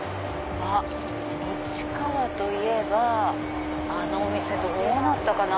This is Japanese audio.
あっ市川といえばあのお店どうなったかな？